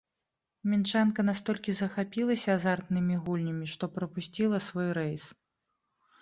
Мінчанка настолькі захапілася азартнымі гульнямі, што прапусціла свой рэйс.